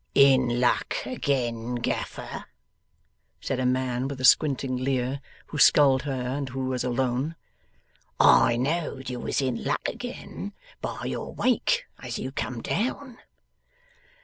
'In luck again, Gaffer?' said a man with a squinting leer, who sculled her and who was alone, 'I know'd you was in luck again, by your wake as you come down.